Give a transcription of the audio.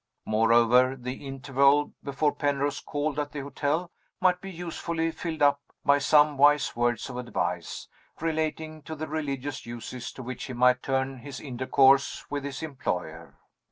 Moreover, the interval before Penrose called at the hotel might be usefully filled up by some wise words of advice, relating to the religious uses to which he might turn his intercourse with his employer.